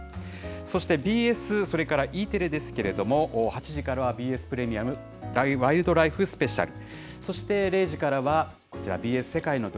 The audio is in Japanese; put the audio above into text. そして、ＢＳ、それからＥテレですけれども、８時からはＢＳプレミアム、ワイルドライフスペシャル。